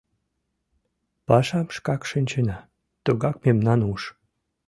Пашам шкак шинчена: тугай мемнан уш!